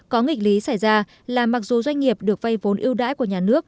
có nghịch lý xảy ra là mặc dù doanh nghiệp được vay vốn ưu đãi của nhà nước